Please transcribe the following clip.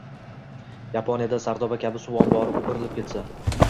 Yaponiyada Sardoba kabi suv ombori o‘pirilib ketsa